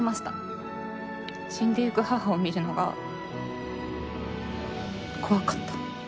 死んでゆく母を見るのが怖かった。